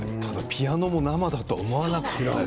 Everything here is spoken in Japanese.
ピアノが生だと思わなかった。